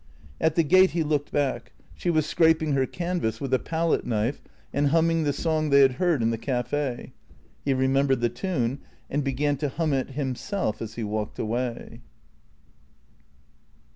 At the gate he looked back; she was scraping her canvas with a palette knife and humming the song they had heard in the café. He remembered the tune, and began to hum it him self as he walked away.